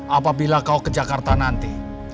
apabila kau ke jakarta nanti